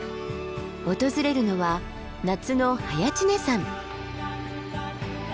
訪れるのは夏の早池峰山。